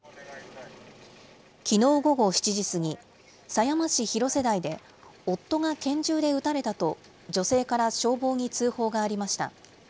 きのう午後７時過ぎ、狭山市広瀬台で、夫が拳銃で撃たれたと女性から消防に通報がありました。